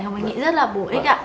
hồng anh nghĩ rất là bổ ích ạ